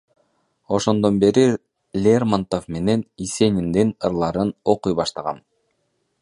Ошондон бери Лермонтов менен Есениндин ырларын окуй баштагам.